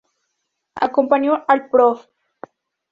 Acompañó al Prof.